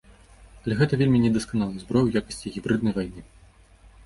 Але гэта вельмі недасканалая зброя ў якасці гібрыднай вайны.